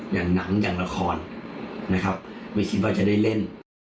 หนังอย่างละครนะครับไม่คิดว่าจะได้เล่น